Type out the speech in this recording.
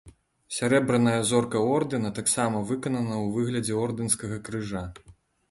Сярэбраная зорка ордэна таксама выканана ў выглядзе ордэнскага крыжа.